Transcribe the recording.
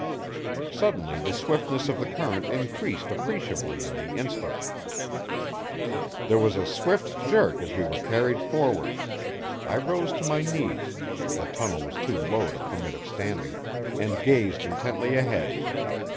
Suddenly the swiftness of the current increased appreciably on the instant; there was a swift jerk as we were carried forward. I rose to my knees the tunnel was too low to permit of standing and gazed intently ahead.